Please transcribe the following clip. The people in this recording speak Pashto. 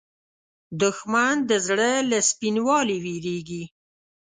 دښمن د زړه له سپینوالي وېرېږي